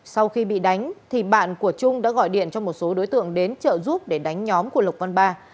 sau khi bị đánh thì bạn của trung đã gọi điện cho một số đối tượng đến trợ giúp để đánh nhóm của lộc văn ba